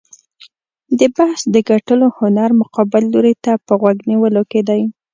د بحث د ګټلو هنر مقابل لوري ته په غوږ نیولو کې دی.